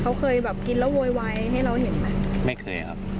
เขาเคยแบบกินแล้วโวยวายให้เราเห็นไหมไม่เคยครับ